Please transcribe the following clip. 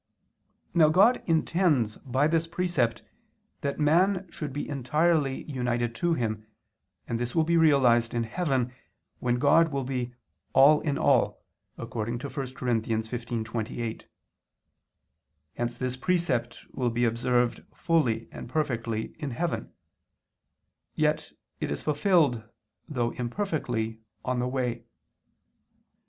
Now God intends by this precept that man should be entirely united to Him, and this will be realized in heaven, when God will be "all in all," according to 1 Cor. 15:28. Hence this precept will be observed fully and perfectly in heaven; yet it is fulfilled, though imperfectly, on the way.